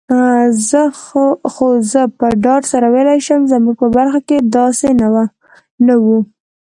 خو زه په ډاډ سره ویلای شم، زموږ په برخه کي داسي نه وو.